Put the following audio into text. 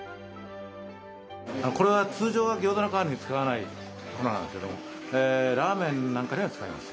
これは通常は餃子の皮に使わない粉なんですけどもラーメンなんかには使います。